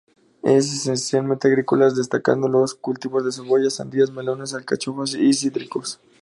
Es esencialmente agrícolas, destacando los cultivos de cebollas, sandías, melones, alcachofas y cítricos.